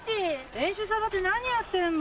練習サボって何やってんの。